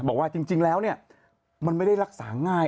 บอกว่าจริงแล้วเนี่ยมันไม่ได้รักษาง่าย